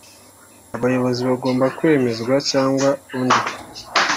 Abayobozi bagomba kwemezwa cyangwa undi